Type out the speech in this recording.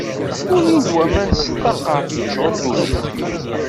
Ulin-d waman s ṭṭaqa, teččuṛ ddunit.